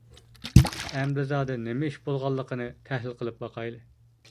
ئەمدى زادى نېمە ئىش بولغانلىقىنى تەھلىل قىلىپ باقايلى.